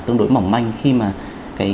tương đối mỏng manh khi mà